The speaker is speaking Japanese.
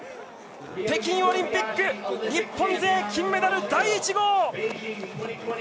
北京オリンピック日本勢金メダル、第１号！